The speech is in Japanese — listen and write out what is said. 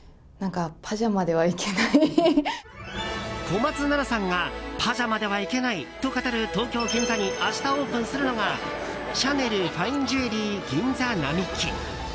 小松菜奈さんがパジャマでは行けないと語る東京・銀座に明日オープンするのがシャネルファインジュエリー銀座並木。